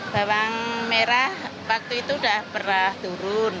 bawang merah waktu itu sudah pernah turun